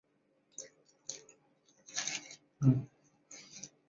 这项工作由学校老师来匿名进行。